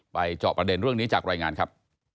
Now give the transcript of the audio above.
จอบประเด็นเรื่องนี้จากรายงานครับ